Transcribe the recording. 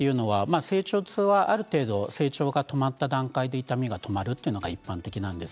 成長痛はある程度成長が止まるといったん止まるというのが一般的です。